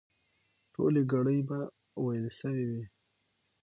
ټولې ګړې به وېل سوې وي.